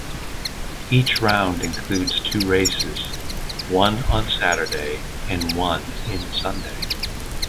Each round includes two races one on Saturday and one in Sunday.